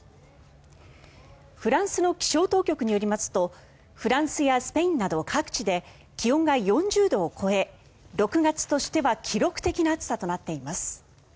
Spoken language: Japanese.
フランスの気象当局によりますとフランスやスペインなど各地で気温が４０度を超え６月としては記録的な暑さとなっています。